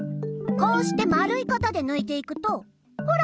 こうしてまるいかたでぬいていくとほら！